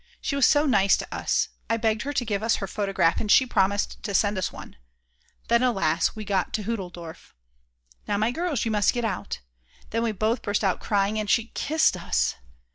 She was so nice to us; I begged her to give us her photograph and she promised to send us one. Then, alas, we got to Hutteldorf. "Now, girls, you must get out." Then we both burst out crying, and she _kissed us!